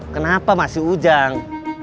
kenapa masih ujang